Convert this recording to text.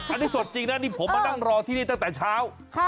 อันนี้สดจริงนะนี่ผมมานั่งรอที่นี่ตั้งแต่เช้า